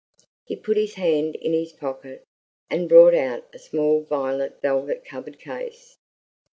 He put his hand in his pocket, and brought out a small violet velvet covered case.